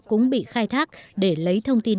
cũng bị khai thác để lấy thông tin